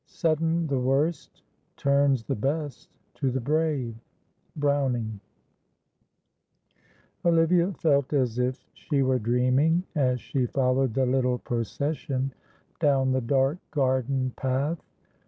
"Sudden the worst, turns the best to the brave," Browning. Olivia felt as if she were dreaming as she followed the little procession down the dark garden path.